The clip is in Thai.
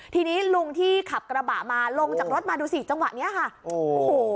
ทีนี้ลุงที่ขับกระบะมาลงจากรถมาดูสิจังหวะเนี้ยค่ะโอ้โห